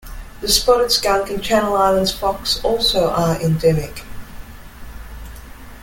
The spotted skunk and Channel Islands fox also are endemic.